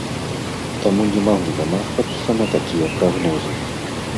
Таму не магу замахвацца на такія прагнозы.